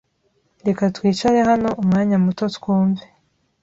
Reka twicare hano umwanya muto twumve.